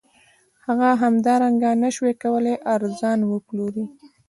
هغه همدارنګه نشوای کولی ارزان وپلوري